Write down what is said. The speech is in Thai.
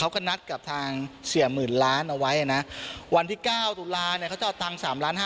เขาก็นัดกับทางเศี่ยหมื่นล้านเอาไว้นะวันที่เก้าตุลาคตังค์๓ล้าน๕